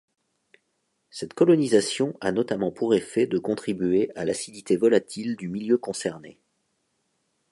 Cette colonisation a notamment pour effet de contribuer à l'acidité volatile du milieu concerné.